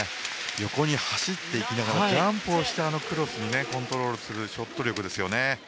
横に走っていきながらジャンプをしてあのクロスにコントロールするショット力ですよね。